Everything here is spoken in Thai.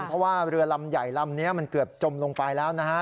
เพราะว่าเรือลำใหญ่ลำนี้มันเกือบจมลงไปแล้วนะฮะ